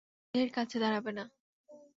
দেহের কাছে দাড়াবে না।